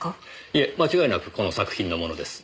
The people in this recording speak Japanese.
いえ間違いなくこの作品のものです。